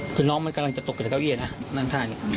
คือน้องมันกำลังจะตกในเก้าอี้อะนะนั่งท่านอย่างนี้ค่ะ